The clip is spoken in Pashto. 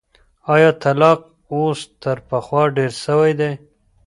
ایا طلاق اوس تر پخوا ډېر سوی دی؟